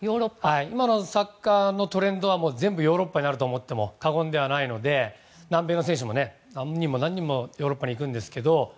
今のサッカーのトレンドは全部ヨーロッパにあると言っても過言ではないと思うので南米の選手も何人もヨーロッパに行くんですけど。